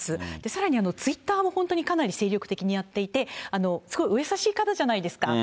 さらに、ツイッターも本当にかなり精力的にやっていて、すごいお優しい方じゃないですか、